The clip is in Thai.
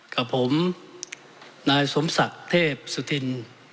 กับผมนายสมศักดิ์เทพสุธิน